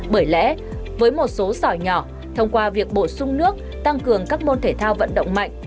bởi lẽ với một số sỏi nhỏ thông qua việc bổ sung nước tăng cường các môn thể thao vận động mạnh